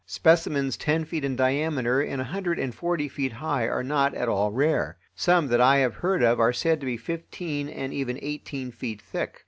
Specimens ten feet in diameter and a hundred and forty feet high are not at all rare. Some that I have heard of are said to be fifteen and even eighteen feet thick.